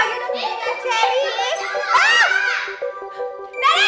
oh atau jangan jangan